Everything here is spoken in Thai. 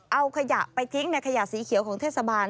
เอาขยะไปทิ้งในขยะสีเขียวของเทศบาล